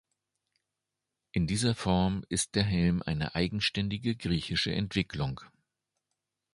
In dieser Form ist der Helm eine eigenständige griechische Entwicklung.